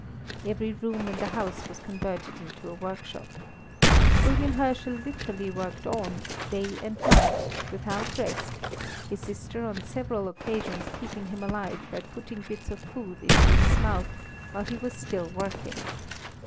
Every room in the house was converted into a workshop. William Herschel literally worked on, night and day, without rest, his sister on several occasions keeping him alive by putting bits of food into his mouth while he was still working.